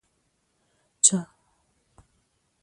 چار مغز د افغانستان د صادراتو یوه خورا مهمه برخه ده.